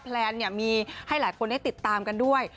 แพลนเนี่ยมีให้หลายคนได้ติดตามกันด้วย